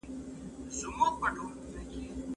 ټولنیز واقعیتونه په فرد جبر کوي.